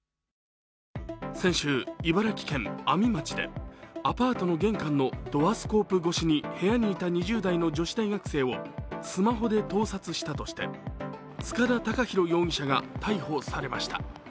先週、茨城県阿見町でアパートの玄関のドアスコープ越しに部屋にいた２０代の女子大学生をスマホで盗撮したとして塚田隆裕容疑者が逮捕されました。